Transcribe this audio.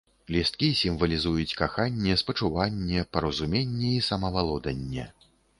Лісткі сімвалізуюць каханне, спачуванне, паразуменне і самавалоданне.